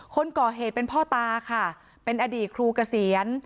คนก่อเหตุเป็นพ่อตาค่ะเป็นอดีตครูเกษียณ